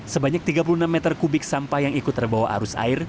sebanyak tiga puluh enam meter kubik sampah yang ikut terbawa arus air